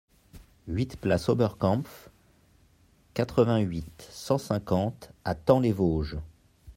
huit place Oberkampf, quatre-vingt-huit, cent cinquante à Thaon-les-Vosges